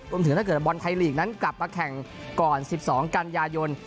ถ้าเกิดบอลไทยลีกนั้นกลับมาแข่งก่อน๑๒กันยายน